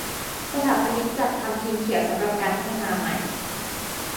สถาปนิกจัดทำพิมพ์เขียวสำหรับการพัฒนาใหม่